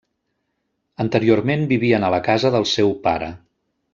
Anteriorment vivien a la casa del seu pare.